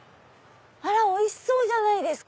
あらおいしそうじゃないですか！